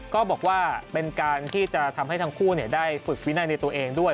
ก็บอกว่าเป็นการที่จะทำให้ทั้งคู่ได้ฝึกวินัยในตัวเองด้วย